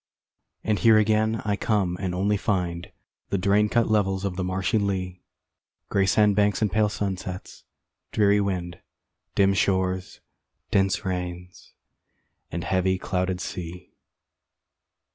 And here again I come and only find The drain cut levels of the marshy lea, Gray sand banks and pale sunsets dreary wind, Dim shores, dense rains, and heavy clouded sea.